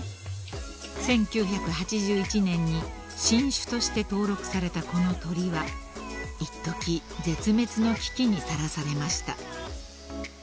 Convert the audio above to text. ［１９８１年に新種として登録されたこの鳥はいっとき絶滅の危機にさらされました］